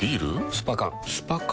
スパ缶スパ缶？